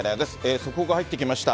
速報が入ってきました。